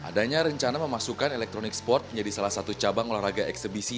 adanya rencana memasukkan electronic sport menjadi salah satu cabang olahraga eksebisi